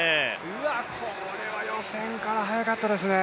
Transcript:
これは予選から速かったですね。